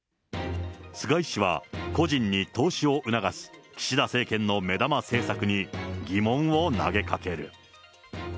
菅井氏は、個人に投資を促す岸田政権の目玉政策に疑問を投げかける。